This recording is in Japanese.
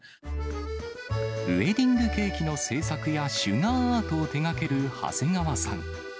ウエディングケーキの製作やシュガーアートを手がける長谷川さん。